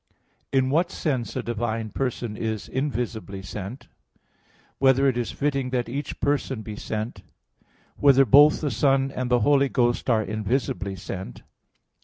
(3) In what sense a divine person is invisibly sent? (4) Whether it is fitting that each person be sent? (5) Whether both the Son and the Holy Ghost are invisibly sent?